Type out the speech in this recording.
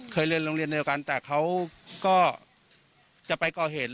เรียนโรงเรียนเดียวกันแต่เขาก็จะไปก่อเหตุ